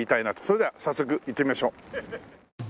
それでは早速行ってみましょう。